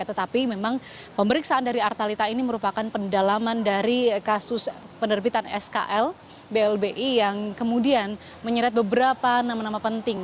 tetapi memang pemeriksaan dari artalita ini merupakan pendalaman dari kasus penerbitan skl blbi yang kemudian menyeret beberapa nama nama penting